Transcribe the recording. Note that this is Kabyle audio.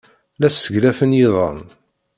La sseglafen yiḍan.